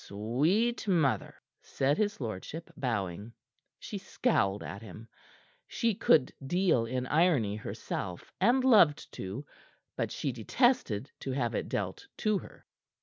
"Sweet mother!" said his lordship, bowing. She scowled at him. She could deal in irony herself and loved to but she detested to have it dealt to her.